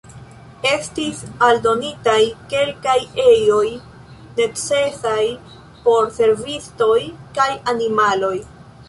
Estis aldonitaj kelkaj ejoj necesaj por servistoj kaj animaloj.